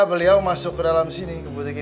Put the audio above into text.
beliau masuk ke dalam sini